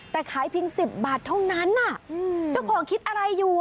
แต่ขายเพียงสิบบาทเท่านั้นอ่ะอืมเจ้าของคิดอะไรอยู่ค่ะ